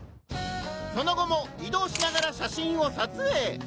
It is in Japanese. その後も移動しながら写真を撮影！